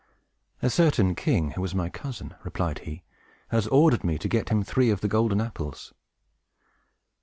"A certain king, who is my cousin," replied he, "has ordered me to get him three of the golden apples."